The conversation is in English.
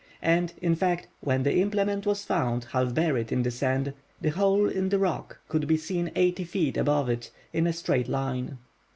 And, in fact, when the implement was found, half buried in the sand, the hole in the rock could be seen eighty feet above it, in a straight line.